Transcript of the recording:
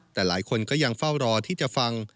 แต่หลายคนก็ยังเฝ้ารอที่จะฟัง